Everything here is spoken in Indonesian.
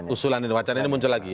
usulan ini wacana ini muncul lagi